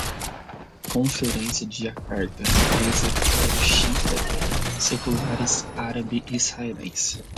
Conferência de Jacarta, represa, clero xiita, seculares, árabe-israelense